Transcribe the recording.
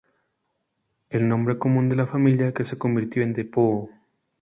El nombre común de la familia que se convirtió en de Poo.